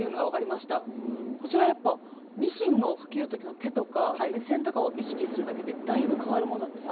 こちらやっぱミシンのかけるときの手とか目線とかを意識するだけでだいぶかわるものなんですね。